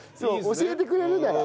教えてくれるなら。